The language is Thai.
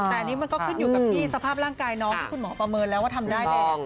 แต่อันนี้มันก็ขึ้นอยู่กับที่สภาพร่างกายน้องที่คุณหมอประเมินแล้วว่าทำได้แล้ว